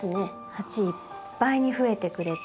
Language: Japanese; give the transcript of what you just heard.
鉢いっぱいに増えてくれて。